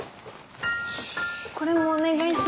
これもお願いします。